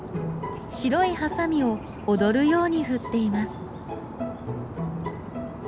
白いハサミを踊るように振っています。